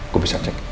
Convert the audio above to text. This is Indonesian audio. gua bisa cek